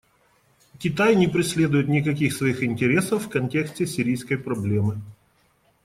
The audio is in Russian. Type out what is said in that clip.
Китай не преследует никаких своих интересов в контексте сирийской проблемы.